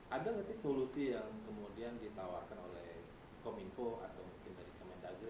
ada nanti solusi yang kemudian ditawarkan oleh kominfo atau mungkin dari kementerian dalam negeri